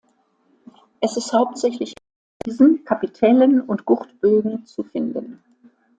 Es ist hauptsächlich an Friesen, Kapitellen und Gurtbögen zu finden.